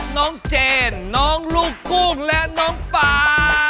น้องเจนน้องลูกกุ้งและน้องฟ้า